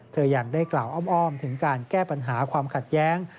ยังได้กล่าวอ้อมถึงการแก้ปัญหาความขัดแย้ง